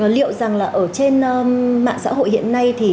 liệu rằng là ở trên mạng xã hội hiện nay thì